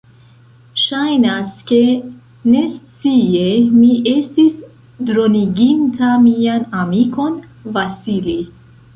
Ŝajnas, ke, nescie, mi estis droniginta mian amikon Vasili.